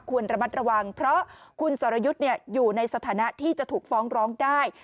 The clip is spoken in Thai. ระมัดระวังเพราะคุณสรยุทธ์อยู่ในสถานะที่จะถูกฟ้องร้องได้